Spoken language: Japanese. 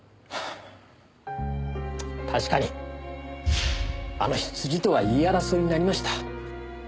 確かにあの日辻とは言い争いになりました。